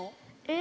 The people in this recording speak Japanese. え。